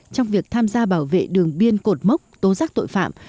trong việc tham gia bảo vệ đường biên cột mốc tố giác tội phạm